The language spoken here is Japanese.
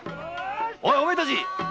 おいお前たち！